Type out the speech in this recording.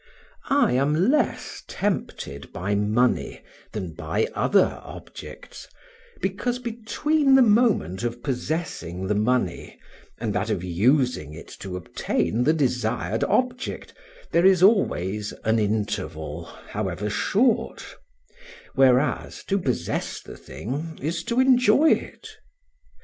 I am less tempted by money than by other objects, because between the moment of possessing the money and that of using it to obtain the desired object there is always an interval, however short; whereas to possess the thing is to enjoy it.